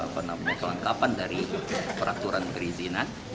penampilan kelengkapan dari peraturan kerizina